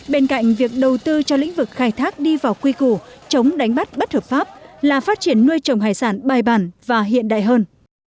bên cạnh việc đầu tư cho lĩnh vực khai thác đi vào quy củ chống đánh bắt bất hợp pháp là phát triển nuôi trồng hải sản bài bản và hiện đại hơn